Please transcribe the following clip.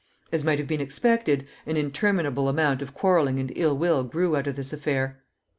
As might have been expected, an interminable amount of quarreling and ill will grew out of this affair.